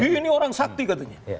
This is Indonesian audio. ini orang sakti katanya